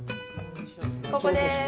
ここです！